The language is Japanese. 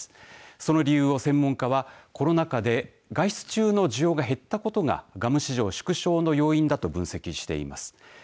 その理由を専門家はコロナ禍で外出中の需要が減ったことがガム市場縮小の要因だと分析しています。